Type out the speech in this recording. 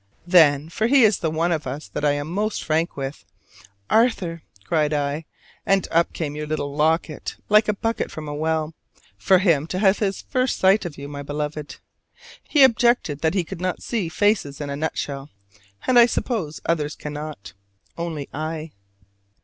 Then, for he is the one of us that I am most frank with: "Arthur," cried I, and up came your little locket like a bucket from a well, for him to have his first sight of you, my Beloved. He objected that he could not see faces in a nutshell; and I suppose others cannot: only I.